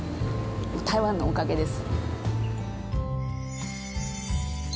台湾のおかげです。